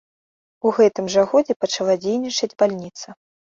У гэтым жа годзе пачала дзейнічаць бальніца.